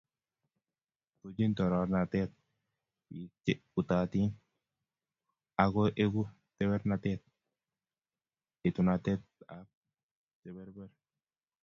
Punjin toroornatet piik che utaatiin, ago egu teweernateet etunatetap che perber.